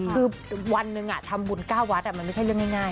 คือวันหนึ่งทำบุญ๙วัดมันไม่ใช่เรื่องง่าย